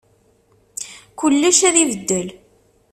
Kullec ad ibeddel.